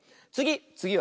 つぎ！